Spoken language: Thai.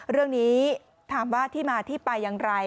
เรื่องนี้ถามว่าที่มาที่ไปอย่างไร